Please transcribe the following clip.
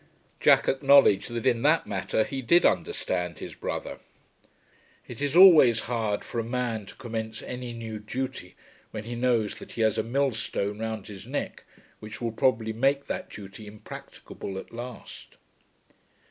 Jack acknowledged that in that matter he did understand his brother. It is always hard for a man to commence any new duty when he knows that he has a millstone round his neck which will probably make that duty impracticable at last.